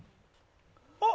あっ！